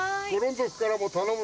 族からも頼む。